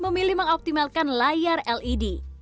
milih mengoptimalkan layar led